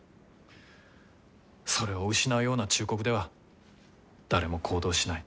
それを失うような忠告では誰も行動しない。